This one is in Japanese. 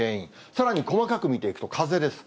さらに細かく見ていくと風です。